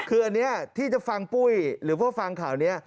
คืออันนี้ที่จะฟังปุ้ยหรือว่าฟังข่าวนี้